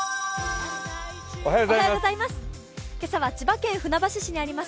今朝は千葉県船橋市にあります